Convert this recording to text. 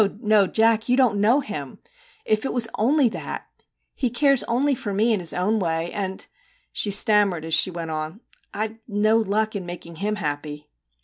No, Jack, you don't know him ! If it was only that ! he cares only for me in his own way and/ she stam mered as she went on, ' I 've no luck in making him happy.'